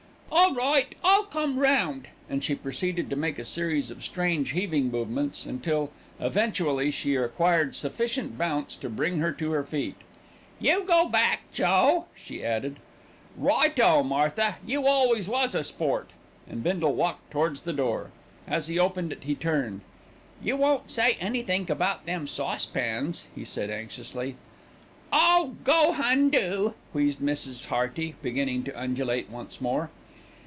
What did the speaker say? "All right, I'll come round," and she proceeded to make a series of strange heaving movements until, eventually, she acquired sufficient bounce to bring her to her feet. "You go back, Joe," she added. "Righto, Martha! You always was a sport," and Bindle walked towards the door. As he opened it he turned. "You won't say anythink about them saucepans," he said anxiously. "Oh! go hon, do," wheezed Mrs. Hearty, beginning to undulate once more.